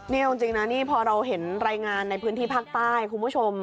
พอเราเห็นรายงานในพื้นที่ภาคใต้คุณผู้ชม